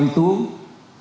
kita harus mencari